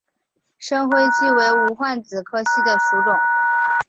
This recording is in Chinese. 深灰槭为无患子科槭属的植物。